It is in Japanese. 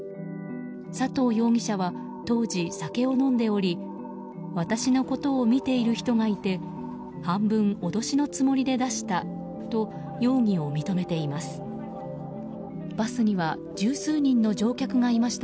佐藤容疑者は当時、酒を飲んでおり私のことを見ている人がいて半分脅しのつもりで出したと容疑を認めています。